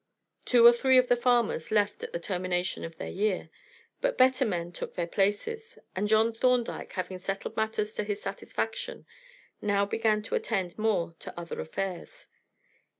Two or three of the farmers left at the termination of their year, but better men took their places, and John Thorndyke, having settled matters to his satisfaction, now began to attend more to other affairs.